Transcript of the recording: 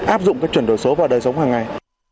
áp dụng cái chuẩn độ số vào đời sống hàng ngày